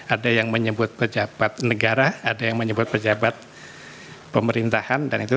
ada yang menyebut pejabat negara ada yang menyebut pejabat pemerintahan dan itu